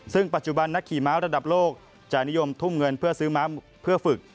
ซึ่งปัจจุบันนักขี่ม้าระดับโลกจะนิยมทุ่มเงินเพื่อซื้อเพื่อฝึก